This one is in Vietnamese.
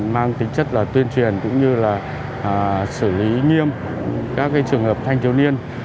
mang tính chất là tuyên truyền cũng như là xử lý nghiêm các trường hợp thanh thiếu niên